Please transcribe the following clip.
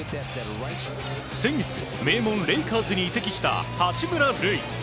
先月、名門レイカーズに移籍した八村塁。